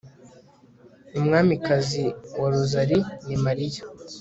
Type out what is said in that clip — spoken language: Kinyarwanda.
umwamikazi wa rozari ni mariya